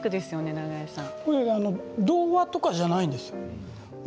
童話とかではないんです。